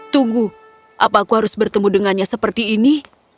tunggu apa aku harus bertemu dengannya seperti ini